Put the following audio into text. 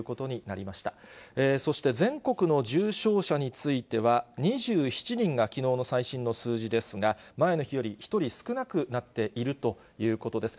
そして、全国の重症者については２７人がきのうの最新の数字ですが、前の日より１人少なくなっているということです。